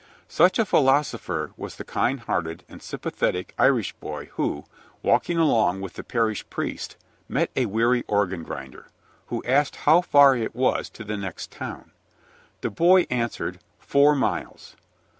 Such a philosopher was the kind hearted and sympathetic Irish boy who, walking along with the parish priest, met a weary organ grinder, who asked how far it was to the next town. The boy answered, "Four miles."